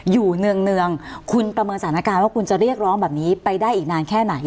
อยู่เนืองคุณประเมินสถานการณ์ว่าคุณจะเรียกร้องแบบนี้ไปได้อีกนานแค่ไหน